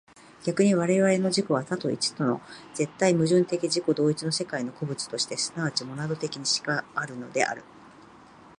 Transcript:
逆に我々の自己は多と一との絶対矛盾的自己同一の世界の個物として即ちモナド的にしかあるのである。